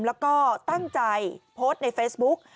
แล้วก็ตั้งใจโพสต์ในเฟซบุ๊ก